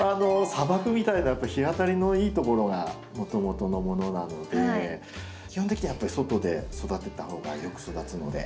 砂漠みたいな日当たりのいいところがもともとのものなので基本的にはやっぱり外で育てた方がよく育つので。